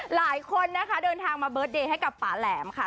หลายคนนะคะเดินทางมาเบิร์ตเดย์ให้กับป่าแหลมค่ะ